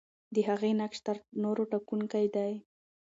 د هغې نقش تر نورو ټاکونکی دی.